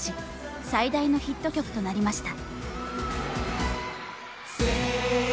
最大のヒット曲となりました。